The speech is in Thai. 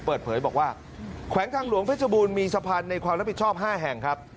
เปิดเผยบอกว่าแขวงทางหลวงเพชรบูรณมีสะพานในความรับผิดชอบ๕แห่งครับ